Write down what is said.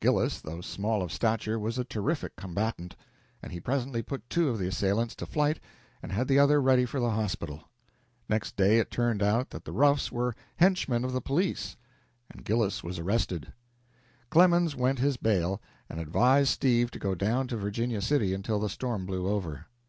Gillis, though small of stature, was a terrific combatant, and he presently put two of the assailants to flight and had the other ready for the hospital. Next day it turned out that the roughs were henchmen of the police, and Gillis was arrested. Clemens went his bail, and advised Steve to go down to Virginia City until the storm blew over.